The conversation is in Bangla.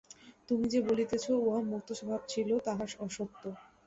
তুমি যে বলিতেছ, উহা মুক্তস্বভাব ছিল, তাহা অসত্য।